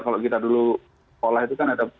kalau kita dulu sekolah itu kan ada